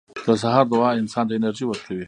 • د سهار دعا انسان ته انرژي ورکوي.